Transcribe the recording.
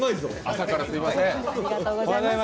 朝からすみません。